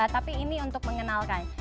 tapi ini untuk mengenalkan